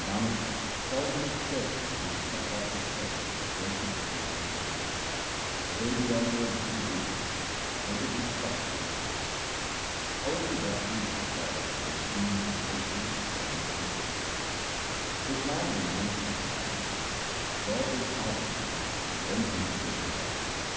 Nanak, call him a servant who would cut off his head, place it before his master, Obey the order of the true Guru, and take his instruction to heart. Only what pleases God can be deemed devotion, penance, and service :— If man renounce his pride, God will pardon him and blend him with Himself. SIKH.